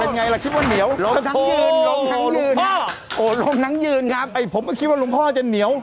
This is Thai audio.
ไงล่ะคิดว่าเหนียวลมทั้งยืนลมทั้งยืนโอ้ลมทั้งยืนครับไอ้ผมก็คิดว่าหลวงพ่อจะเหนียว